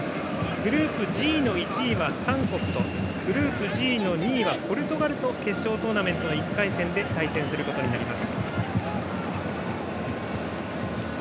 グループＧの１位は韓国とグループＧの２位はポルトガルと決勝トーナメントの１回戦で対戦することになります。